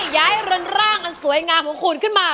อยากให้รนร่างสวยงามของคุณขึ้นมา